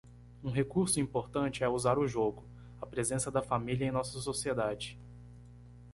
Um recurso importante é usar o jogo, a presença da família em nossa sociedade.